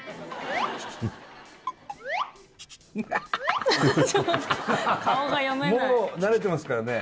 ちょっもう慣れてますからね